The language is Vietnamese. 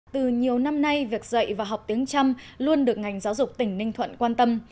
từ nhiều năm nay việc dạy và học tiếng trăm luôn được ngành giáo dục tỉnh ninh thuận quan tâm